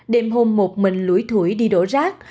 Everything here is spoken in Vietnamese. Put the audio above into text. đêm hôn một mình lũy thủy đi đổ rác